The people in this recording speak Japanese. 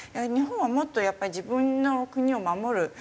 日本はもっとやっぱり自分の国を守る